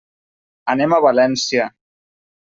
Anem a València.